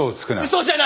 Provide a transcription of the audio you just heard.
嘘じゃない！